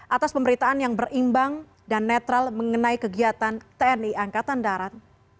atas pemberitaan yang berimbang dan netral mengenai kegiatan tni angkatan darat